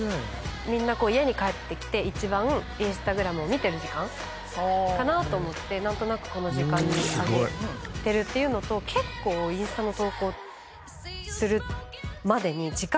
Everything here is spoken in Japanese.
みんな家に帰ってきて一番Ｉｎｓｔａｇｒａｍを見てる時間かなと思って何となくこの時間に上げてるっていうのと結構インスタの投稿するまでに時間がかかるんですよね。